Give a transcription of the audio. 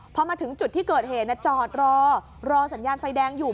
พอมาถึงจุดที่เกิดเหตุจอดรอรอสัญญาณไฟแดงอยู่